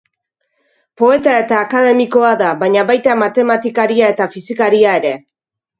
Poeta eta akademikoa da, baina baita matematikaria eta fisikaria ere.